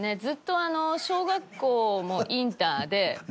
ずっとあの小学校もインターで。